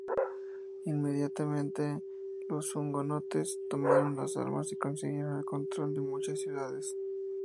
Inmediatamente los hugonotes tomaron las armas y consiguieron el control de muchas ciudades.